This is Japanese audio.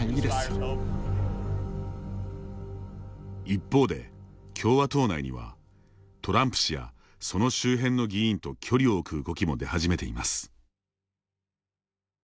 一方で、共和党内にはトランプ氏やその周辺の議員と距離を置く動きも出始めています。